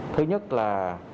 thứ nhất là